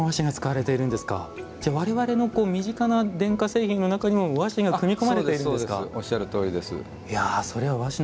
我々の身近な電化製品の中にも和紙が組み込まれているんですね。